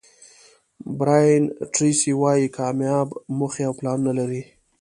برایان ټریسي وایي کامیاب موخې او پلانونه لري.